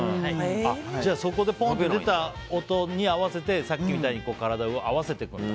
そこでポーンと出た音に合わせてさっきみたいに体を合わせていくんだ。